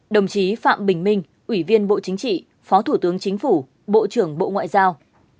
một mươi một đồng chí phạm bình minh ủy viên bộ chính trị phó thủ tướng chính phủ bộ trưởng bộ ngoại giao